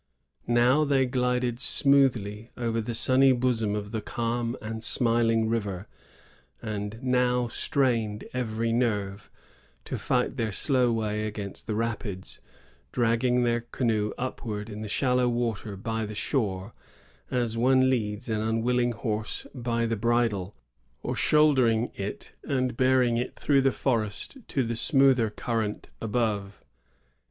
Now they glided smoothly over the sunny bosom of the calm and smiling river, and now strained every nerve to fight their slow way against the rapids, dragging their canoe upward in the shallow water by the shore, as one leads an unwilling horse by the bridle, or shouldering it and bearing it through the forest to the smoother current above.